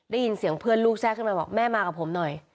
ได้ยินเสียงเพื่อนลูกแทรกขึ้นมาบอกแม่มากับผมหน่อย